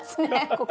ここ。